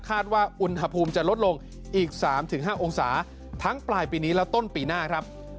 ว่าอุณหภูมิจะลดลงอีก๓๕องศาทั้งปลายปีนี้และต้นปีหน้าครับ